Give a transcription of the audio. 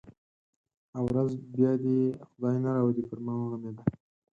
هغه ورځ بیا دې یې خدای نه راولي پر ما وغمېده.